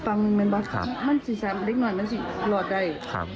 ฟังมันบ้างครับมันสิ้นแซมเล็กนอนมันสิ้นรอดได้